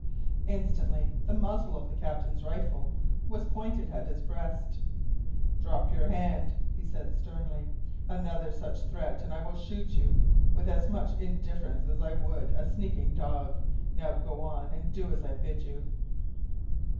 Instantly the muzzle of the captain's rifle was pointed at his breast. "Drop your hand!" he said sternly. "Another such threat, and I will shoot you with as much indifference as I would a sneaking dog. Now go on and do as I bid you."